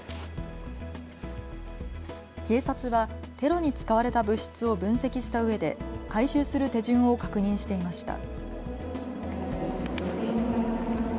警察はテロに使われた物質を分析したうえで回収する手順を確認していました。